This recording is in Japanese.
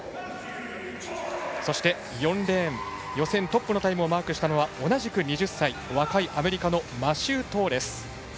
そして、４レーン予選トップのタイムをマークしたのは同じく２０歳、若いアメリカのマシュー・トーレス。